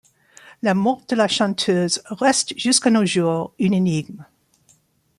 La mort de la chanteuse reste jusqu'à nos jours une énigme.